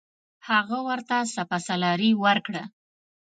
هغه ورته سپه سالاري ورکړه.